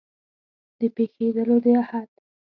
د پېښېدلو د احت